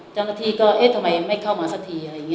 เจ้าหน้าที่ก็เอ๊ะทำไมไม่เข้ามาสักทีอะไรอย่างนี้